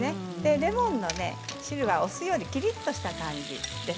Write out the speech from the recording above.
レモンの汁は、お酢よりもきりっとした感じです。